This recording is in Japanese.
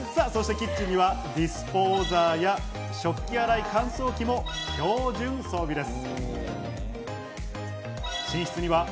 キッチンにはディスポーザーや食器洗い乾燥機も標準装備です。